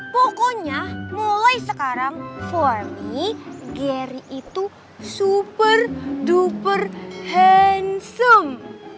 pokoknya mulai sekarang for me gary itu super duper handsome